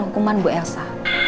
hukuman bu elsa